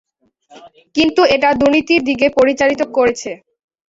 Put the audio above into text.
কিন্তু, এটা দুর্নীতির দিকে পরিচালিত করেছে।